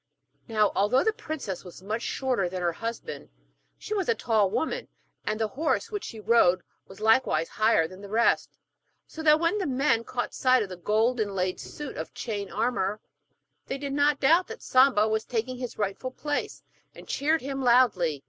Now, although the princess was much shorter than her husband, she was a tall woman, and the horse which she rode was likewise higher than the rest, so that when the men caught sight of the gold inlaid suit of chain armour, they did not doubt that Samba was taking his rightful place, and cheered him loudly.